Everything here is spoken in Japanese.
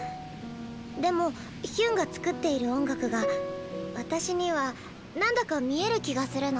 でもヒュンが作っている音楽が私には何だか見える気がするの。